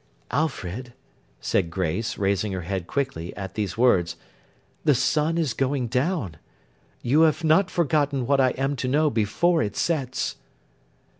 'Alfred,' said Grace, raising her head quickly at these words. 'The sun is going down. You have not forgotten what I am to know before it sets.